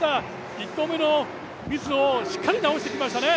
１投目のミスをしっかり直してきましたね。